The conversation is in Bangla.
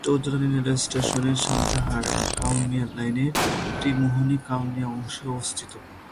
চৌধুরাণী রেলওয়ে স্টেশন সান্তাহার-কাউনিয়া লাইনের ত্রিমোহনী-কাউনিয়া অংশে অবস্থিত।